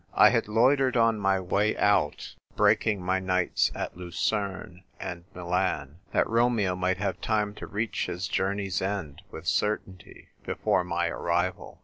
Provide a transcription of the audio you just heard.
I had loitered on my way out, breaking my nights at Lucerne and Milan, that Romeo might have time to reach his journey's end with certainty before my arrival.